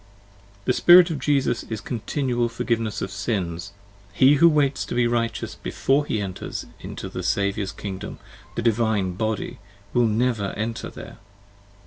The Spirit of Jesus is continual forgiveness of Sin: he who waits to be righteous before he enters into the Saviour's kingdom, the Divine t "" Body, will never enter there.